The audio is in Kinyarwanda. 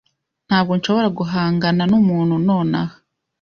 Ntabwo nshobora guhangana numuntu nonaha.